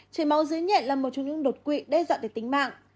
trời máu dưới nhện là một trong những đột quỵ đe dọa để tính mạng